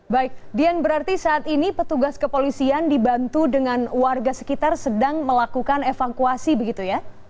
baik dian berarti saat ini petugas kepolisian dibantu dengan warga sekitar sedang melakukan evakuasi begitu ya